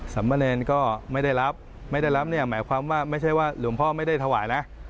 สำมะเนรก็ไม่ได้รับไม่ได้รับเนี่ยหมายความว่าไม่ใช่ว่าหลวงพ่อไม่ได้ถวายนะ